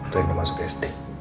rena masuk sd